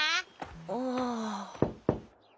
ああ。